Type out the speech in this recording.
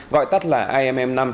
gọi tắt là imm năm